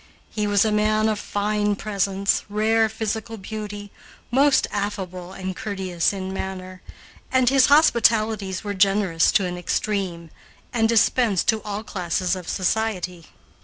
He was a man of fine presence, rare physical beauty, most affable and courteous in manner, and his hospitalities were generous to an extreme, and dispensed to all classes of society.